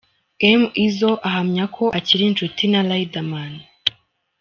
M Izzle ahamya ko akiri inshuti na Riderman.